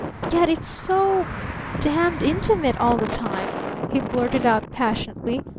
Yet it's so damned intimate all the time!" he blurted out passionately.